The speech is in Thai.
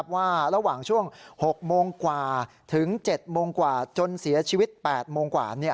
ว่าระหว่างช่วง๖๐๐๗๐๐นจนเสียชีวิต๘๐๐น